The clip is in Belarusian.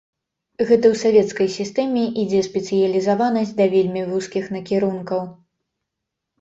Гэта ў савецкай сістэме ідзе спецыялізаванасць да вельмі вузкіх накірункаў.